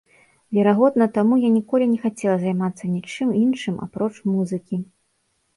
Верагодна, таму я ніколі не хацела займацца нічым іншым апроч музыкі.